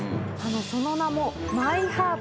その名も。